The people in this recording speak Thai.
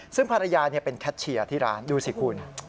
ซึ่งภรรยาเป็นแคทเชียร์ที่ร้านดูสิคุณ